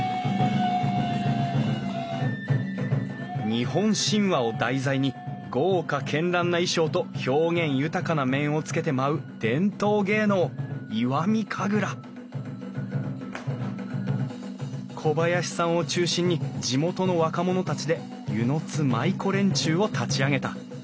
日本神話を題材に豪華絢爛な衣装と表現豊かな面をつけて舞う伝統芸能石見神楽小林さんを中心に地元の若者たちで温泉津舞子連中を立ち上げた。